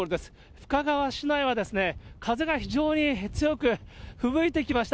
深川市内は、風が非常に強く、ふぶいてきました。